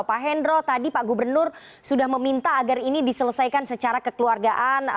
pak hendro tadi pak gubernur sudah meminta agar ini diselesaikan secara kekeluargaan